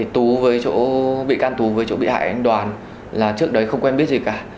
tù với chỗ bị can tù với chỗ bị hại đoàn là trước đấy không quen biết gì cả